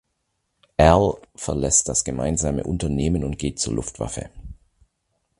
Al verlässt das gemeinsame Unternehmen und geht zur Luftwaffe.